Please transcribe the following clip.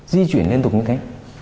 di chuyển liên tục như thế